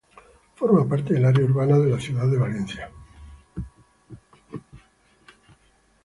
Forma parte del área urbana de la ciudad de Valencia.